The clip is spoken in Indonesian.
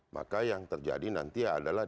maka yang terjadi nanti adalah